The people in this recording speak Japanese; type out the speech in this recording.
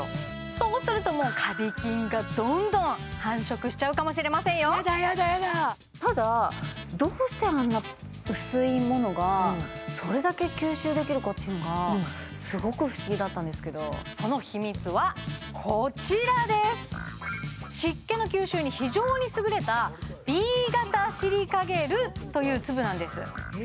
そうするともうカビ菌がどんどん繁殖しちゃうかもしれませんよやだやだやだただどうしてあんな薄いものがそれだけ吸収できるかっていうのがすごく不思議だったんですけどその秘密はこちらですという粒なんです